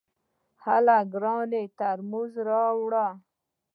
هله ګرانه ترموز راوړه !